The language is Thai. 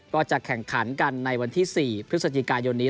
ก็จะแข่งขันกันในวันที่๔พฤศจิกายนนี้